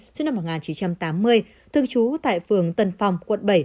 trước năm một nghìn chín trăm tám mươi thương chú tại phường tân phòng quận bảy